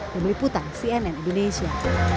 pemiliputan cnn indonesia